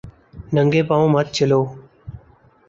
ننگے پاؤں مت چلو